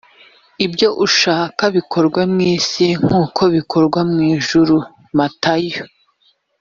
ibyo ushaka bikorwe mu isi nk uko bikorwa mu ijuru matayo